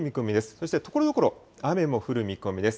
そしてところどころ、雨も降る見込みです。